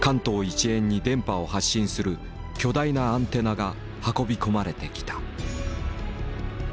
一円に電波を発信する巨大なアンテナが運び込まれてきた。